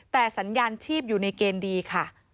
แต่สัญญาณชีพอยู่ในเกณฑ์ดีค่ะ